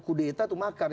kudeta itu makar